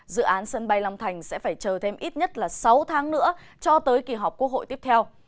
dự án sân bay long thành sẽ phải chờ thêm ít nhất là sáu tháng nữa cho tới kỳ họp quốc hội tiếp theo